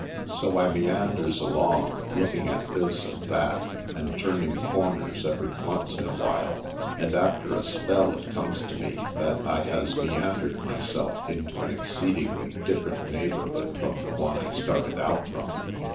So I meanders along, looking at this and that, and turning corners every once in awhile; and after a spell it comes to me that I has meandered myself into an ex ceedingly different neighborhood from the one I started out from.